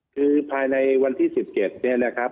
คือภายในวันที่๑๗เนี่ยนะครับ